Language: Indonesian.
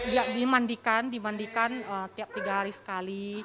dia dimandikan dimandikan tiap tiga hari sekali